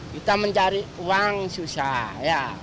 kita mencari uang susah ya